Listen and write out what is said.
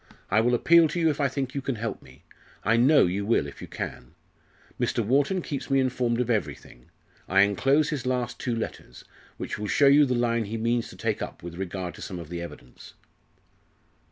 I will appeal to you if I think you can help me. I know you will if you can. Mr. Wharton keeps me informed of everything. I enclose his last two letters, which will show you the line he means to take up with regard to some of the evidence."